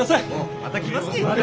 また来ますき！